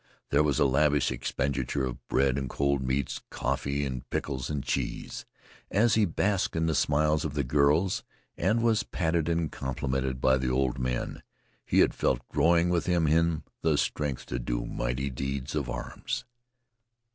There was a lavish expenditure of bread and cold meats, coffee, and pickles and cheese. As he basked in the smiles of the girls and was patted and complimented by the old men, he had felt growing within him the strength to do mighty deeds of arms.